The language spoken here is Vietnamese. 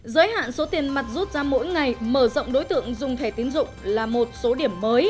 giới hạn số tiền mặt rút ra mỗi ngày mở rộng đối tượng dùng thẻ tiến dụng là một số điểm mới